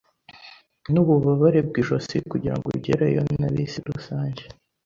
Nububabare bwijosi kugirango ugereyo na bisi rusange.